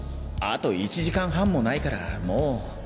あと１時間半もないからもう。